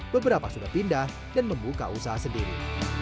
beberapa sudah pindah dan membuka usaha sendiri